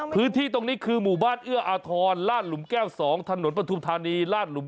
พื้นที่ตรงนี้คือหมู่บ้านเอื้ออทรล่านหลุมแก้ว๒ถนนประธุมธานี